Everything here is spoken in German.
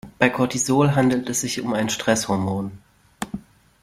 Bei Cortisol handelt es sich um ein Stresshormon.